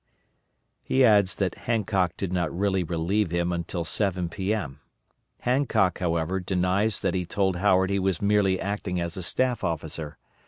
He adds that Hancock did not really relieve him until 7 P.M. Hancock, however, denies that he told Howard he was merely acting as a staff officer.